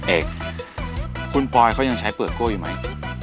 เอกคุณปอยเขายังใช้เปลือกโก้อยู่ไหม